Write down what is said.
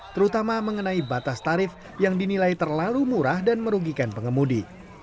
terutama mengenai batas tarif yang dinilai terlalu murah dan merugikan pengemudi